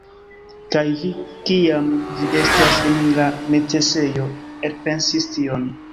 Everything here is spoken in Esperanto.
Kaj vi kiam vi estas en la necesejo elpensis tion!